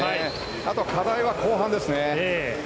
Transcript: あとは課題は後半ですね。